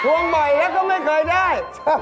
บ่อยแล้วก็ไม่เคยได้